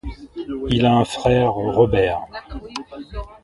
Il a un frère, Robert.